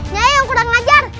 nyanyi yang kurang ajar